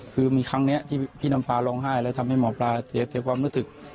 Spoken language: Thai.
คือมีครั้งนี้ที่พี่น้ำปลาร้องไห้แล้วทำให้หมอปลาเสียความรู้สึก